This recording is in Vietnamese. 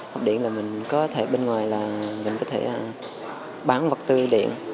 hoặc điện là mình có thể bên ngoài là mình có thể bán vật tư điện